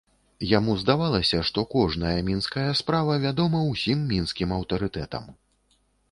Яму здавалася, што кожная мінская справа вядома ўсім мінскім аўтарытэтам.